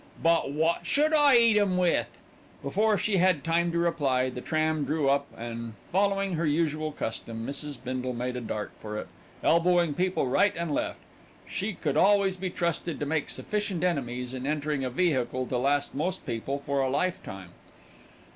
"But wot should I eat 'em with?" Before she had time to reply, the tram drew up and, following her usual custom, Mrs. Bindle made a dart for it, elbowing people right and left. She could always be trusted to make sufficient enemies in entering a vehicle to last most people for a lifetime.